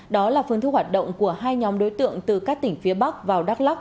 đó là phương thức hoạt động của hai nhóm đối tượng từ các tỉnh phía bắc vào đắk lắc